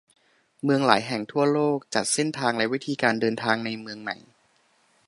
เมืองหลายแห่งทั่วโลกจัดเส้นทางและวิธีการเดินทางในเมืองใหม่